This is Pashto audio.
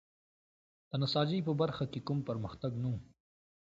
د نساجۍ په برخه کې کوم پرمختګ نه و.